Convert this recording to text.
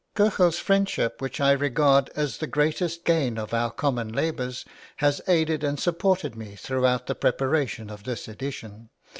Köche's friendship, which I regard as the greatest gain of our common labours, has aided and supported me throughout the preparation of this edition.